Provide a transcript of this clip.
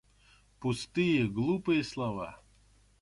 Пустые, глупые слова!